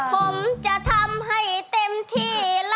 ผมจะทำให้เต็มที่